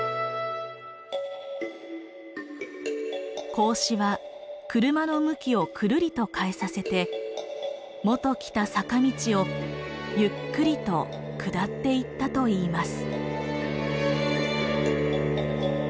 孔子は車の向きをくるりと変えさせてもと来た坂道をゆっくりと下っていったといいます。